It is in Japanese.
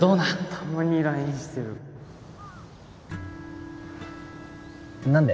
たまに ＬＩＮＥ してる何で？